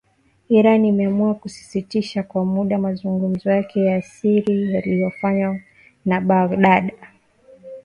Iran imeamua kusitisha kwa muda mazungumzo yake ya siri yaliyofanywa na Baghdad.